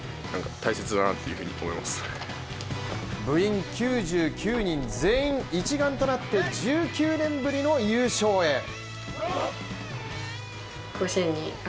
部員９９人全員、一丸となって１９年ぶりの優勝へ。